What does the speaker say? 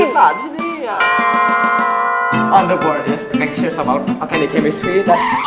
ภาษาอังกฤษที่นี่อะ